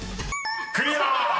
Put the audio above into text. ［クリア！］